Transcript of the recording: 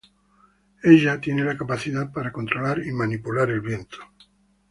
Ella tiene la capacidad para controlar y manipular el viento.